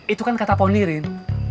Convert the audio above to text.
itu kan kata ponirin